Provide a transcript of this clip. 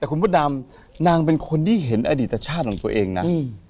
แต่คุณพระดำนางเป็นคนที่เห็นอดีตชาติของตัวเองนะ